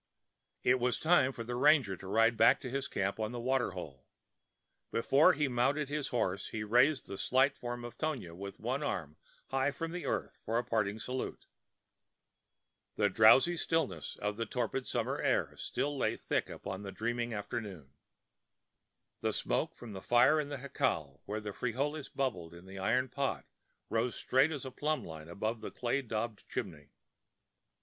It was time for the ranger to ride back to his camp on the water hole. Before he mounted his horse he raised the slight form of Tonia with one arm high from the earth for a parting salute. The drowsy stillness of the torpid summer air still lay thick upon the dreaming afternoon. The smoke from the fire in the jacal, where the frijoles blubbered in the iron pot, rose straight as a plumb line above the clay daubed chimney.